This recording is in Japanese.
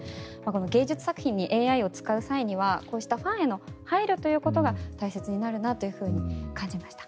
芸術作品にＡＩを使う際にはこうしたファンへの配慮ということが大切になるなと感じました。